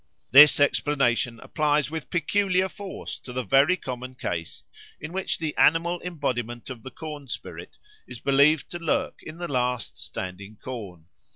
This explanation applies with peculiar force to the very common case in which the animal embodiment of the corn spirit is believed to lurk in the last standing corn.